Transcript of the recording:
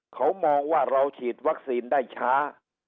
เขามองว่าเราฉีดวัคซีนได้ช้า